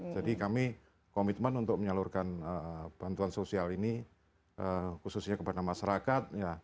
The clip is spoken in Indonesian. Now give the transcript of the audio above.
jadi kami komitmen untuk menyalurkan bantuan sosial ini khususnya kepada masyarakat